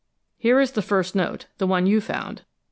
Here is the first note, the one you found.